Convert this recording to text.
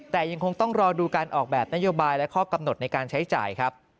แต่ยังคงต้องรอดูการออกแบบนโยบายและข้อกำหนดในการใช้จ่ายครับ